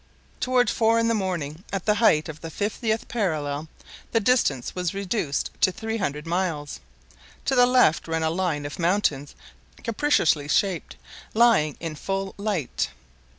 Toward four in the morning, at the height of the fiftieth parallel, the distance was reduced to 300 miles. To the left ran a line of mountains capriciously shaped, lying in the full light.